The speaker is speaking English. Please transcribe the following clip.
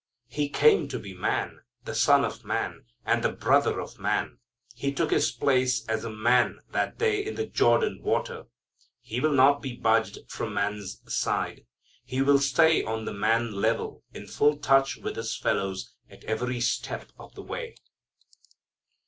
He came to be man, the Son of man, and the Brother of man. He took His place as a man that day in the Jordan water. He will not be budged from man's side. He will stay on the man level in full touch with His fellows at every step of the way.